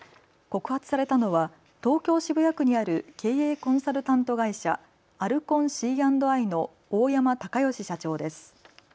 告発されたのは東京渋谷区にある経営コンサルタント会社、アルコンＣ＆Ｉの大山敬義社長です。